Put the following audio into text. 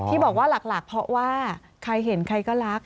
ที่บอกว่าหลักเพราะว่าใครเห็นใครก็รัก